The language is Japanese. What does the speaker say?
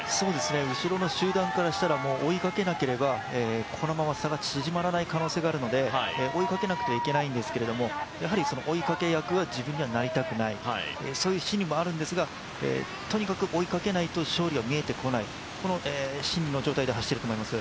後ろの集団からしたらもう追いかけなければ、このまま差が縮まらない可能性があるので、追いかけないといけないんですけどやはり追いかけ役は自分にはなりたくないそういう心理もあるんですが、とにかく追いかけないと勝利は見えてこない、この心理の状態で走っていると思います。